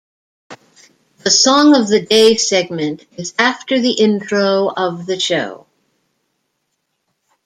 The "Song of the Day" segment is after the intro of the show.